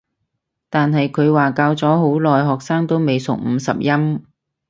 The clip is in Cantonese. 但係佢話教咗好耐學生都未熟五十音